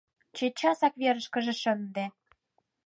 — Чечасак верышкыже шынде!